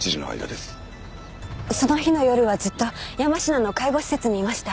その日の夜はずっと山科の介護施設にいました。